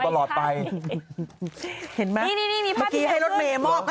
เพราะมันต้องเริ่มดึกถึงพี่เหมือนสูง